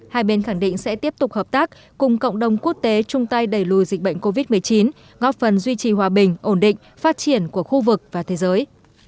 hai bên khẳng định sẽ tiếp tục hợp tác cùng cộng đồng quốc tế chung tay đẩy lùi dịch bệnh covid một mươi chín góp phần duy trì hòa bình ổn định phát triển của khu vực và thế giới